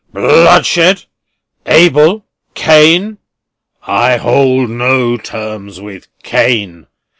"Bloodshed! Abel! Cain! I hold no terms with Cain.